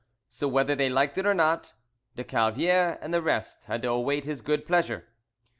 So whether they liked it or not, de Calviere and the rest had to await his good pleasure.